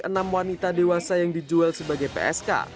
enam wanita dewasa yang dijual sebagai psk